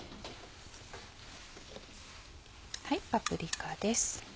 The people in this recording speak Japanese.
パプリカです。